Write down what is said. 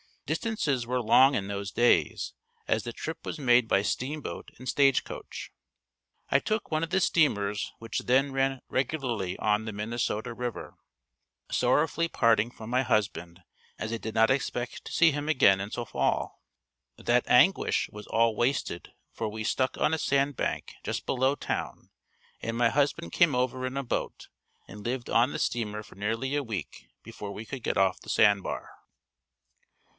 Distances were long in those days as the trip was made by steamboat and stage coach. I took one of the steamers which then ran regularly on the Minnesota river, sorrowfully parting from my husband as I did not expect to see him again until fall. That anguish was all wasted for we stuck on a sand bank just below town and my husband came over in a boat and lived on the steamer for nearly a week before we could get off the sandbar.